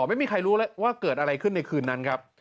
ไม่มีใครรู้เลยว่าเกิดอะไรขึ้นในคืนนั้นครับ